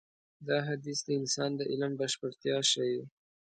دا حديث د انسان د علم بشپړتيا ښيي.